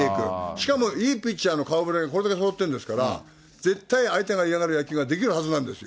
しかもいいピッチャーの顔ぶれが、これだけそろってるんですから、絶対相手が嫌がる野球ができるはずなんですよ。